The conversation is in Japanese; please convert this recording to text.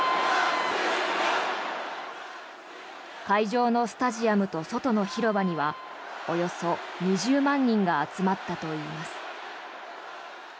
会場のスタジアムと外の広場にはおよそ２０万人が集まったといいます。